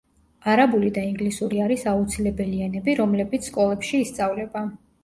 არაბული და ინგლისური არის აუცილებელი ენები, რომლებიც სკოლებში ისწავლება.